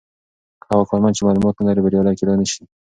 هغه کارمند چې معلومات نلري بریالی کیدای نسي.